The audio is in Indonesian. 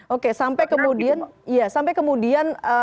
oke sampai kemudian